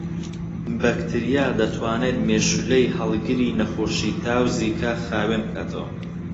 بەکتریا دەتوانێت مێشولەی هەڵگری نەخۆشیی تا و زیکا خاوێن بکاتەوە